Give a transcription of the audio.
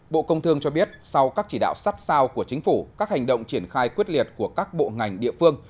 bộ công thương cho biết sau các chỉ đạo sắt sao của chính phủ các hành động triển khai quyết liệt của các bộ ngành địa phương